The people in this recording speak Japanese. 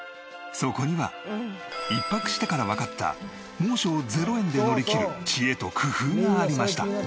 そこには１泊したからわかった猛暑を０円で乗りきる知恵と工夫がありました。